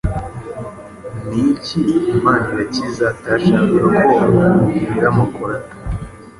Ni iki Manirakiza atashakaga ko ubwira Makorata?